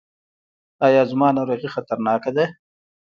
ایا زما ناروغي خطرناکه ده؟